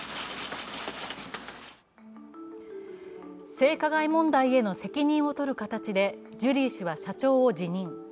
性加害問題への責任をとる形でジュリー氏は社長を辞任。